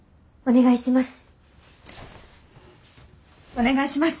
お願いします。